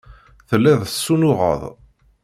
Telliḍ tessunuɣeḍ.